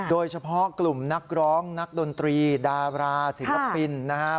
โดยเฉพาะกลุ่มนักร้องนักดนตรีดาราศิลปินนะครับ